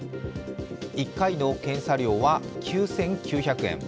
１回の検査料は９９００円。